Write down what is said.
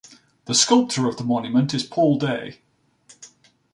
The sculptor of the monument is Paul Day.